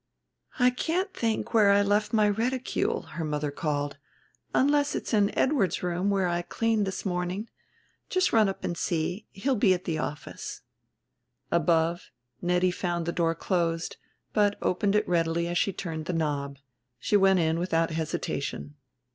"I can't think where I left my reticule," her mother called, "unless it's in Edward's room where I cleaned this morning. Just run up and see.... He'll be at the office." Above, Nettie found the door closed, but it opened readily as she turned the knob: she went in without hesitation.